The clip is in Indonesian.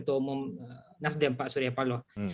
ketua umum nasdem pak suryapalo